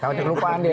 takut kelupaan dia